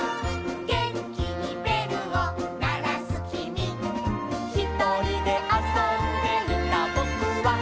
「げんきにべるをならすきみ」「ひとりであそんでいたぼくは」